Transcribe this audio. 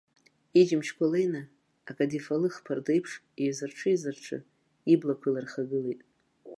Иџьымшьқәа леины, акадифалых ԥарда еиԥш, еизырҽы-еизырҽы, иблақәа илырхагылеит.